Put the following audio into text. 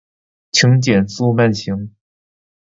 请减速慢行